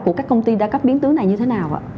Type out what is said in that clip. của các công ty đa cấp biến tướng này như thế nào ạ